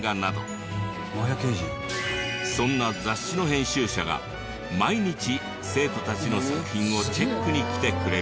そんな雑誌の編集者が毎日生徒たちの作品をチェックに来てくれる。